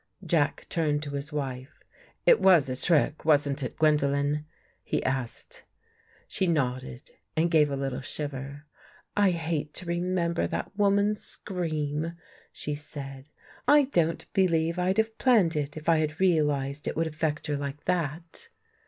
Jack turned to his wife. " It was a trick, wasn't it, Gwendolen? " he asked. She nodded and gave a little shiver. " I hate to remember that woman's scream," she said. " I don't believe I'd have planned it, if I had realized it would affect her like that."